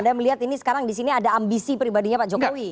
anda melihat ini sekarang di sini ada ambisi pribadinya pak jokowi